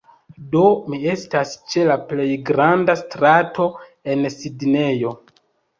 Do, mi estas ĉe la plej granda strato en Sidnejo